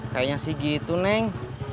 kayaknya sih gitu neng